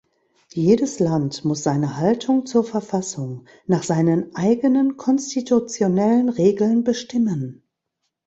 Jedes Land muss seine Haltung zur Verfassung nach seinen eigenen konstitutionellen Regeln bestimmen.